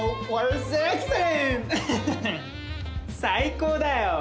最高だよ！